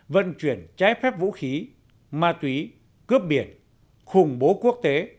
vận chuyển trái phép vũ khí ma túy cướp biển khủng bố quốc tế